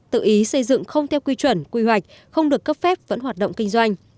tự ý xây dựng không theo quy chuẩn quy hoạch không được cấp phép vẫn hoạt động kinh doanh